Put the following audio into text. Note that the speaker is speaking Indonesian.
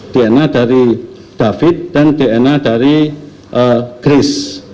dna dari david dan dna dari grace